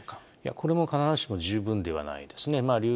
これも必ずしも十分ではないですね。